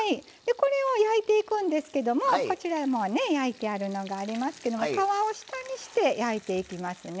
これを焼いていくんですけどもこちらもう焼いてあるのがありますけど皮を下にして焼いていきますね。